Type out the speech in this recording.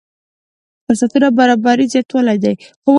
فرصتونو برابري زياتوالی دی.